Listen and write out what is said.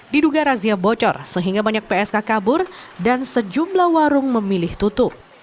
diduga razia bocor sehingga banyak psk kabur dan sejumlah warung memilih tutup